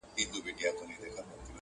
مامي سړو وینو ته اور غوښتی؛